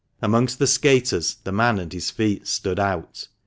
Amongst the skaters the man and his feats stood out.